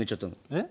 えっ？